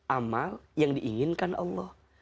amal yang diinginkan allah